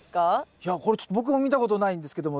いやこれちょっと僕も見たことないんですけども。